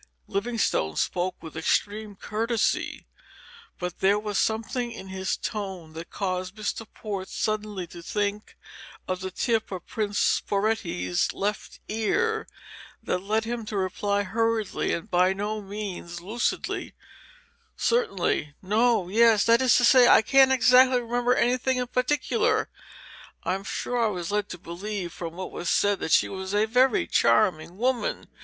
Livingstone spoke with extreme courtesy; but there was something in his tone that caused Mr. Port suddenly to think of the tip of Prince Sporetti's left ear, and that led him to reply hurriedly, and by no means lucidly: "Certainly no yes that is to say, I can't exactly remember anything in particular. I'm sure I was led to believe from what was said that she was a very charming woman.